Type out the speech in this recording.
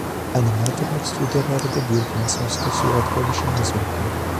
animatorlik studiyalarida buyurtma asosida suratga olishimiz mumkin.